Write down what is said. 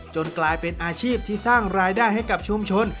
กลายเป็นอาชีพที่สร้างรายได้ให้กับชุมชน